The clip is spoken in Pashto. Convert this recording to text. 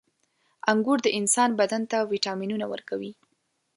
• انګور د انسان بدن ته ویټامینونه ورکوي.